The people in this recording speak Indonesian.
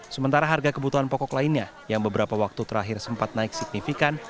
sementara harga kebutuhan pokok lainnya yang beberapa waktu terakhir sempat naik signifikan